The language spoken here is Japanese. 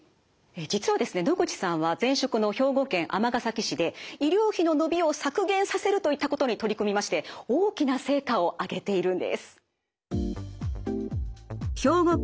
実はですね野口さんは前職の兵庫県尼崎市で医療費の伸びを削減させるといったことに取り組みまして大きな成果を上げているんです。